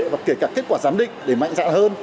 và kể cả kết quả giám định để mạnh dạn hơn